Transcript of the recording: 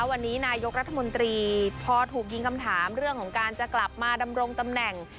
วันนี้นายกรัฐมนตรีพอถูกยิงคำถามเรื่องของการจะกลับมาดำรงตำแหน่ง